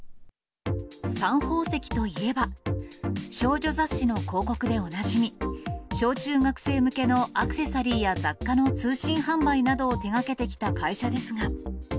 サン宝石といえば、少女雑誌の広告でおなじみ、小中学生向けのアクセサリーや雑貨の通信販売などを手がけてきた会社ですが。